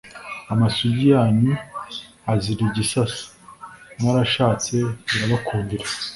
Amasugi yanyu azira igisasa. Mwarashatse birabakundira,